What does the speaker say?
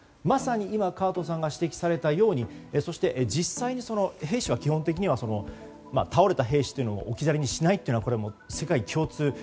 まさに今河東さんが指摘されたようにそして実際に兵士は基本的には倒れた兵士を置き去りにしないというのは世界共通。